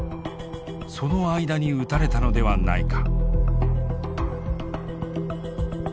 その間に撃たれたのではないか？